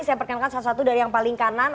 saya perkenalkan salah satu dari yang paling kanan